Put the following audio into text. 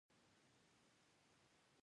بيا يې چنګېز پکي خښ کړ.